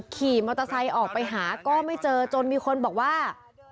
ขี่มอเตอร์ไซค์ออกไปหาก็ไม่เจอจนมีคนบอกว่า